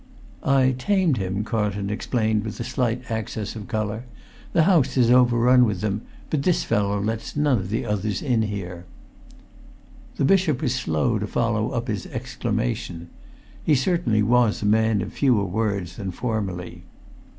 "I tamed him," Carlton explained with a slight access of colour. "The house is overrun with them, but this fellow lets none of the others in here." The bishop was slow to follow up his exclamation. He certainly was a man of fewer words than formerly.